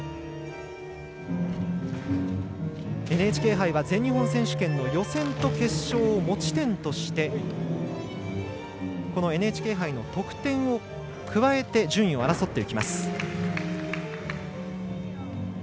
ＮＨＫ杯は全日本選手権の予選と決勝を持ち点としてＮＨＫ杯の得点を加えて順位を争っていきます。